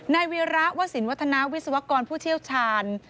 ในวิราะห์ว่าสินวัฒนาวิศวกรผู้เชี่ยวชาญ